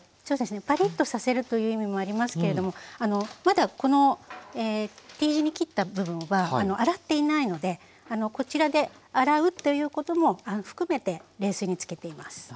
そうですねパリッとさせるという意味もありますけれどもまだこのＴ字に切った部分は洗っていないのでこちらで洗うということも含めて冷水につけています。